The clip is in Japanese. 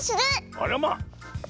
あらま。